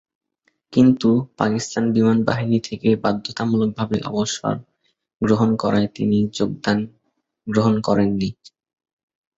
কিন্তু, পাকিস্তান বিমানবাহিনী থেকে বাধ্যতামূলকভাবে অবসর প্রদান করায় তিনি যোগদান গ্রহণ করেননি।